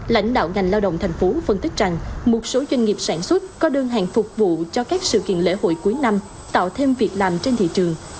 lãnh đạo ngành lao động thành phố phân tích rằng một số doanh nghiệp sản xuất có đơn hàng phục vụ cho các sự kiện lễ hội cuối năm tạo thêm việc làm trên thị trường